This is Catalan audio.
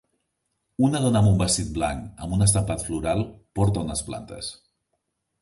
Una dona amb un vestit blanc amb un estampat floral porta unes plantes.